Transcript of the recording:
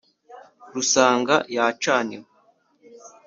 Rusanga* yacaniwe,